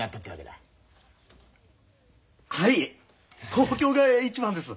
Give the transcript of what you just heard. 東京が一番です。